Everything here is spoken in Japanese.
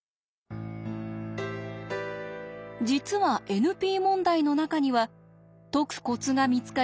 実はＮＰ問題の中には解くコツが見つかり